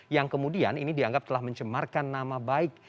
yang kemudian ini dianggap telah mencemarkan nama baik